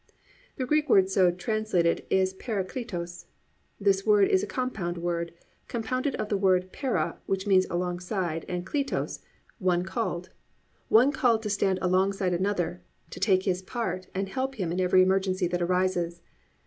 The Greek word so translated is parakletos. This word is a compound word, compounded of the word para which means alongside, and kletos, one called, "One called to stand alongside another" to take his part and help him in every emergency that arises.